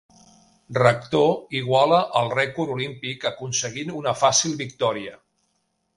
Rector iguala el rècord olímpic, aconseguint una fàcil victòria.